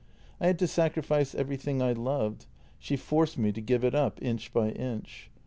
" I had to sacrifice everything I loved; she forced me to give it up inch by inch.